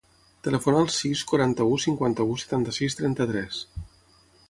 Telefona al sis, quaranta-u, cinquanta-u, setanta-sis, trenta-tres.